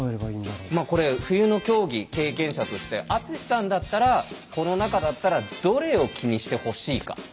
まあこれ冬の競技経験者として篤さんだったらこの中だったらどれを気にしてほしいか。